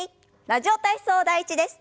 「ラジオ体操第１」です。